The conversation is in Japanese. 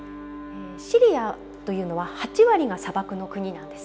シリアというのは８割が砂漠の国なんです。